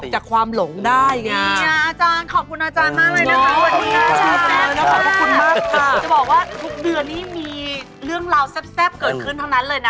จะบอกว่าทุกเดือนนี่มีเรื่องราวแซ่บเกิดขึ้นทั้งนั้นเลยนะ